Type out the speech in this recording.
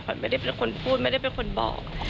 ไม่ได้เป็นคนพูดไม่ได้เป็นคนบอก